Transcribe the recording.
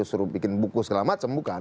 suruh bikin buku segala macam bukan